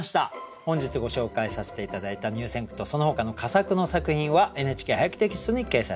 本日ご紹介させて頂いた入選句とそのほかの佳作の作品は「ＮＨＫ俳句」テキストに掲載されます。